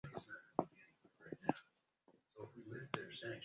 Yawaddeyo ssente n'obusawo bwa sseminti abiri eri ekkanisa.